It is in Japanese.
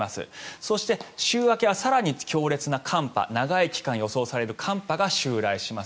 そして、週明けは更に強烈な寒波長い期間予想される寒波が襲来します。